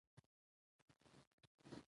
يو دم بېرته د المارى دروازه وربنده کړم.